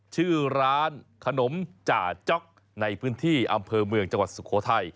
ชื่อร้านขนมจ่าจ๊อกในพื้นที่อำเภอเมืองจังหวัดสุโขทัย